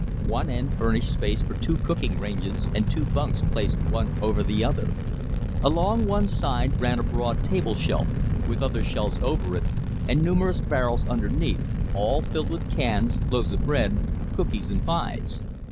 One end furnished space for two cooking ranges and two bunks placed one over the other. Along one side ran a broad table shelf, with other shelves over it and numerous barrels underneath, all filled with cans, loaves of bread, cookies, and pies.